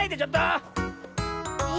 え